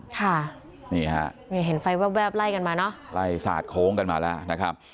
ค่ะนี่ฮะนี่เห็นไฟแวบไล่กันมาเนอะไล่สาดโค้งกันมาแล้วนะครับ